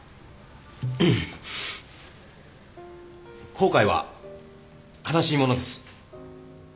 後悔は悲しいものです。